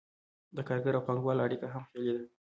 د کارګر او پانګهوال اړیکه هم خیالي ده.